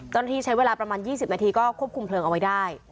เจ้าหน้าที่ใช้เวลาประมาณ๒๐นาทีก็ควบคุมเพลิงเอาไว้ได้